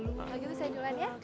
kalau gitu saya jualan ya